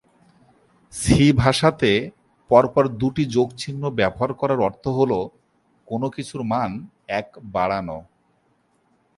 C ভাষাতে পর পর দুটি যোগ চিহ্ন ব্যবহার করার অর্থ হলো কোন কিছুর মান এক বাড়ানো।